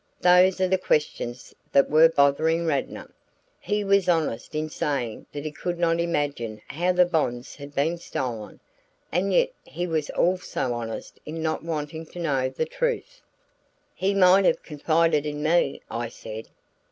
Those are the questions that were bothering Radnor. He was honest in saying that he could not imagine how the bonds had been stolen, and yet he was also honest in not wanting to know the truth." "He might have confided in me," I said.